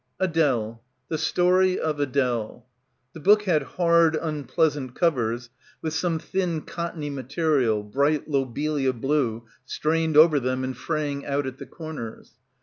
Adele — the story of Adele. The book had hard, unpleasant covers with some thin cottony material — bright lobelia blue — strained over them and fraying out at the corners.